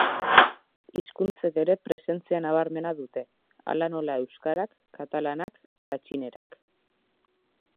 Hizkuntzek ere presentzia nabarmena dute, hala nola euskarak, katalanak eta txinerak.